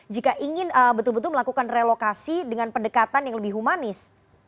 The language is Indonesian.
jika ingin betul betul melakukan relokasi dengan pendekatan yang lebih humanis